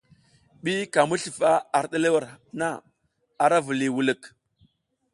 Ɓi ka mi slufa ar ɗerewel na, ara vuliy wulik.